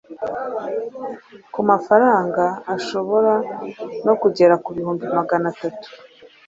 ku mafaranga ashobora no kugera ku bihumbi Magana atatu